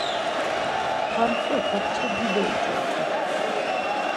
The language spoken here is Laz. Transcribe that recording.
Hantzo kapça dido iç̌opu.